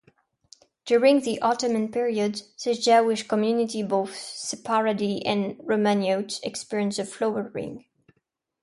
During the Ottoman period, the Jewish community, both Sepharadi and Romaniote, experienced a flowering.